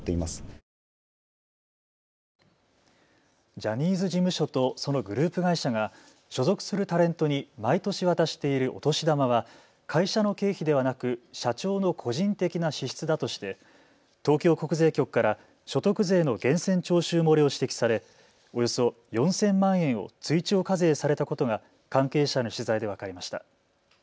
ジャニーズ事務所とそのグループ会社が所属するタレントに毎年渡しているお年玉は会社の経費ではなく社長の個人的な支出だとして東京国税局から所得税の源泉徴収漏れを指摘されおよそ４０００万円を追徴課税されたことが関係者への取材で分かりました。